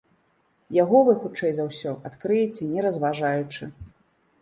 Яго вы, хутчэй за ўсё, адкрыеце, не разважаючы.